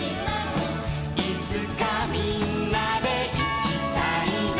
「いつかみんなでいきたいな」